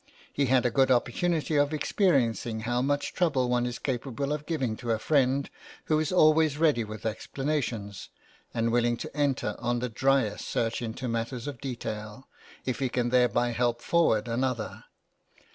He had a good opportunity of experiencing how much trouble one is capable of giving to a friend who is always ready with explanations, and willing to enter on the driest search into matters of detail, if he can thereby help forward another.